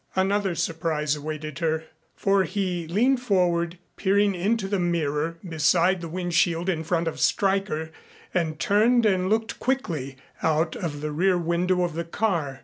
Another surprise awaited her, for he leaned forward, peering into the mirror beside the wind shield in front of Stryker and turned and looked quickly out of the rear window of the car.